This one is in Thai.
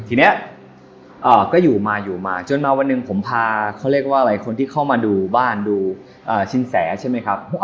ทีนี้ก็อยู่มาอยู่มาจนมาวันหนึ่งผมพาคนที่เข้ามาดูบ้านดูชินแสใช่มั้ยครับ